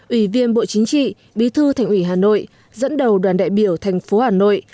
ủy viên bộ chính trị bí thư thành ủy hà nội dẫn đầu đoàn đại biểu thành phố hà nội